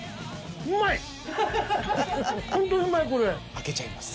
開けちゃいます。